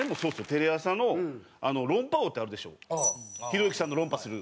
テレ朝の『論破王』ってあるでしょひろゆきさんの論破する。